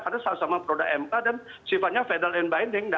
karena sama sama produk mk dan sifatnya final and binding